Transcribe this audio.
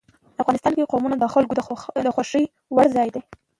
افغانستان کې قومونه د خلکو د خوښې وړ ځای دی.